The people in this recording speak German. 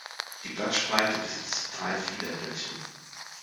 Die Blattspreite besitzt drei Fiederblättchen.